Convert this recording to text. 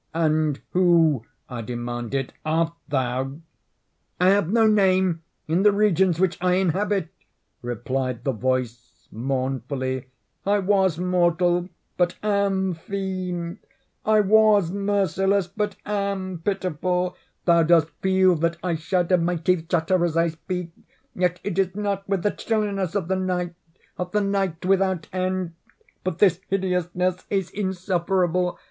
"And who," I demanded, "art thou?" "I have no name in the regions which I inhabit," replied the voice, mournfully; "I was mortal, but am fiend. I was merciless, but am pitiful. Thou dost feel that I shudder. My teeth chatter as I speak, yet it is not with the chilliness of the night—of the night without end. But this hideousness is insufferable.